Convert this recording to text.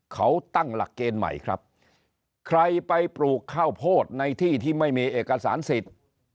เขาตั้งหลักเกณฑ์ใหม่ครับใครไปปลูกข้าวโพดในที่ที่ไม่มีเอกสารสิทธิ์